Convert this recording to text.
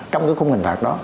trong cái khung hình phạt đó